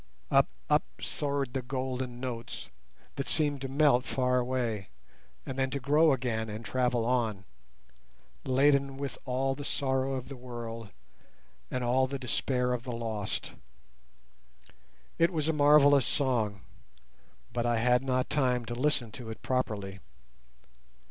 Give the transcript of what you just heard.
Up, up soared the golden notes, that seemed to melt far away, and then to grow again and travel on, laden with all the sorrow of the world and all the despair of the lost. It was a marvellous song, but I had not time to listen to it properly.